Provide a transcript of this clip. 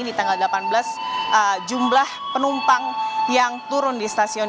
di tanggal delapan belas jumlah penumpang yang turun di stasiun